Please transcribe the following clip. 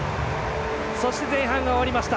そして、前半が終わりました。